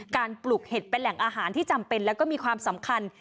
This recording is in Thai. ปลูกเห็ดเป็นแหล่งอาหารที่จำเป็นแล้วก็มีความสำคัญ